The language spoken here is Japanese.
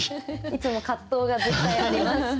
いつも葛藤が絶対あります。